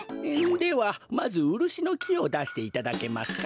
ではまずウルシのきをだしていただけますか。